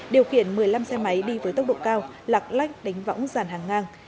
điều khiển một mươi năm xe máy đi với tốc độ cao lạc lách đánh võng giàn hàng ngang